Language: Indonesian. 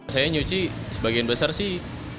saya nyuci sebagian besar sih